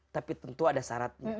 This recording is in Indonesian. tapi tentu ada syaratnya